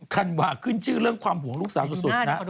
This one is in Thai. ธันวาขึ้นชื่อเรื่องความห่วงลูกสาวสุดนะ